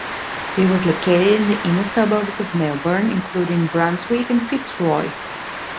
It was located in the inner suburbs of Melbourne, including Brunswick and Fitzroy.